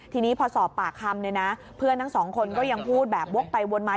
ทีนี้พอสอบปากคำเนี่ยนะเพื่อนทั้งสองคนก็ยังพูดแบบวกไปวนมา